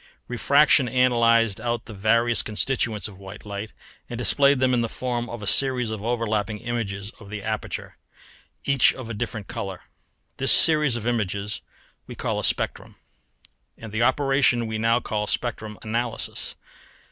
Refraction analysed out the various constituents of white light and displayed them in the form of a series of overlapping images of the aperture, each of a different colour; this series of images we call a spectrum, and the operation we now call spectrum analysis.